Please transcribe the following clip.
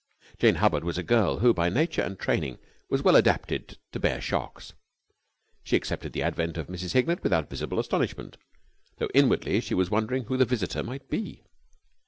Jane Hubbard was a girl who by nature and training was well adapted to bear shocks. She accepted the advent of Mrs. Hignett without visible astonishment, though inwardly she was wondering who the visitor might be.